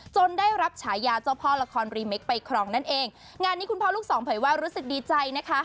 ได้รับฉายาเจ้าพ่อละครรีเมคไปครองนั่นเองงานนี้คุณพ่อลูกสองเผยว่ารู้สึกดีใจนะคะ